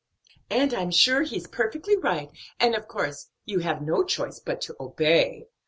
"And I'm sure he's perfectly right; and of course you have no choice but to obey.